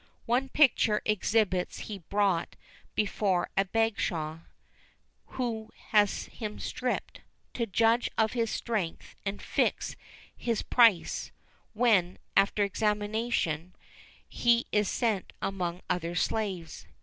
One picture exhibits him brought before a bashaw, who has him stripped, to judge of his strength and fix his price, when, after examination, he is sent among other slaves.